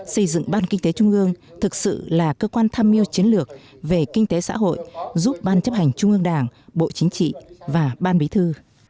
xây dựng ban kinh tế trung ương thực sự là cơ quan tham mưu chiến lược về kinh tế xã hội giúp ban chấp hành trung ương đảng bộ chính trị và ban bí thư